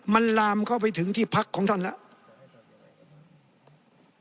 มันลามเข้าไปถึงที่พักของท่านแล้ว